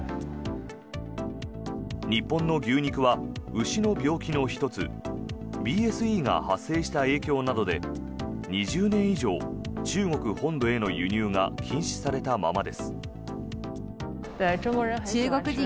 日本の牛肉は牛の病気の１つＢＳＥが発生した影響などで２０年以上、中国本土への輸入が禁止されたままです。